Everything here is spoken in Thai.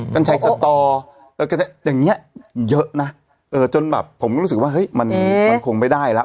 กัญชัยสตออย่างนี้เยอะนะจนแบบผมก็รู้สึกว่าเฮ้ยมันคงไม่ได้แล้ว